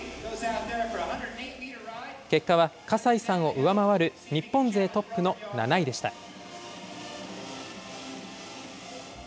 結果は葛西さんを上回る、日本勢トップの７位でした。